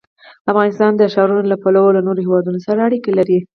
افغانستان د ښارونه له پلوه له نورو هېوادونو سره اړیکې لري.